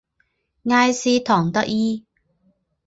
埃斯唐德伊。